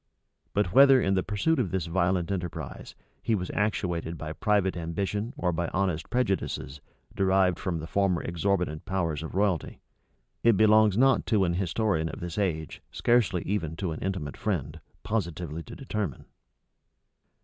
But whether, in the pursuit of this violent enterprise, he was actuated by private ambition or by honest prejudices, derived from the former exorbitant powers of royalty, it belongs not to an historian of this age, scarcely even to an intimate friend, positively to determine.